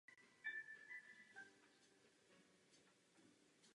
V současné době je stříbro investory vnímáno na pomezí průmyslového a drahého kovu.